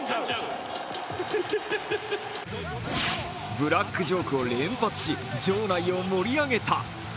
ブラックジョークを連発し場内を盛り上げた。